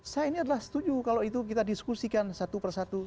saya ini adalah setuju kalau itu kita diskusikan satu persatu